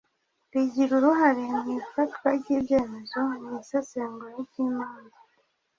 Rigira uruhare mu ifatwa ry’ibyemezo mu isesengura ry’imanza